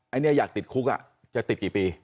อันนี้อยากติดคุกจะติดกี่ปี